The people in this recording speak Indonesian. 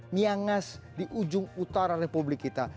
niangas di ujung utara republik kita